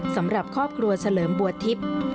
สำหรับครอบครัวเฉลิมบัวทิพย์